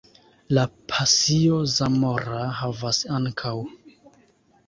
La Pasio zamora havas, ankaŭ.